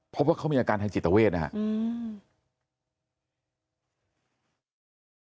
พบว่าเขามีอาการทางจิตเวทนะครับ